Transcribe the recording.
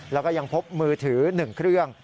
แล้วก็ยังพบมือถือ๑เครื่อง